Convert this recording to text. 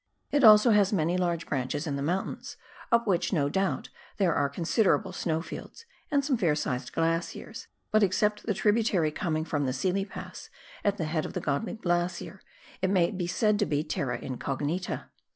It also has many large branches in the mountains, up which, no doubt, there are considerable snow fields and some fair sized glaciers, but except the tributary coming from the Sealy Pass at the head of the Godley Glacier, it may be said to be terra incognita.